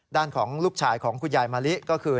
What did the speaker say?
ด้านของลูกชายของคุณยายมะลิก็คือ